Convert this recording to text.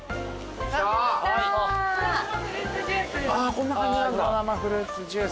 こんな感じなんだ。